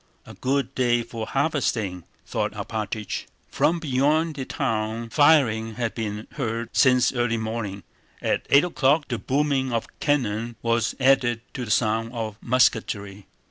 "A good day for harvesting," thought Alpátych. From beyond the town firing had been heard since early morning. At eight o'clock the booming of cannon was added to the sound of musketry.